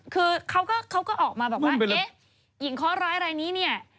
คือเขาก็ออกมาบอกว่าเอ๊ะหญิงเคาะร้ายรายนี้เนี่ย